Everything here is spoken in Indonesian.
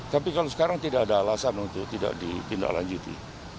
tapi kalau sekarang tidak ada alasan untuk tidak ditindaklanjuti